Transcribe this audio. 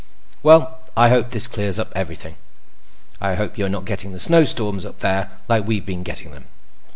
Well, I hope this clears up everything. I hope you're not getting the snow storms up there like we've been getting them.